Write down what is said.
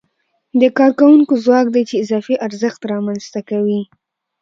د کارکوونکو ځواک دی چې اضافي ارزښت رامنځته کوي